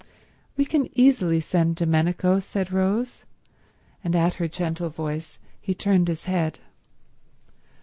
"We can easily send Domenico," said Rose; and at her gentle voice he turned his head.